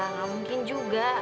nggak mungkin juga